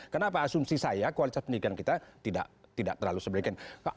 kenapa asumsi saya kualitas pendidikan kita tidak terlalu seberikan